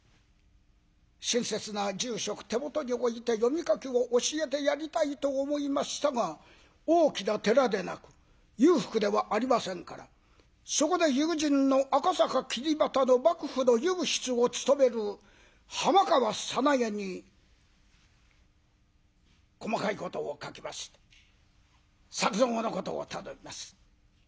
親切な住職手元に置いて読み書きを教えてやりたいと思いましたが大きな寺でなく裕福ではありませんからそこで友人の赤坂桐畑の幕府の右筆を務める浜川さなげに細かいことを書きまして作蔵のことを頼みます。